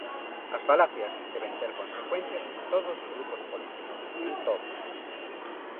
As falacias deben ter consecuencias en todos os grupos políticos, en todos.